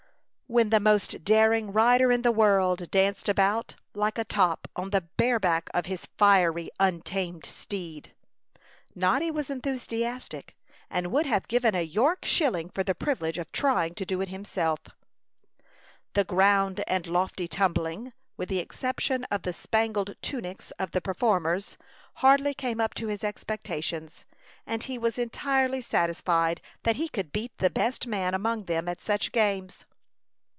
When "the most daring rider in the world" danced about, like a top, on the bare back of his "fiery, untamed steed," Noddy was enthusiastic, and would have given a York shilling for the privilege of trying to do it himself. The "ground and lofty tumbling," with the exception of the spangled tunics of the performers, hardly came up to his expectations; and he was entirely satisfied that he could beat the best man among them at such games.